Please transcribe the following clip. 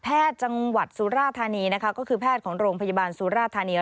จังหวัดสุราธานีนะคะก็คือแพทย์ของโรงพยาบาลสุราธานี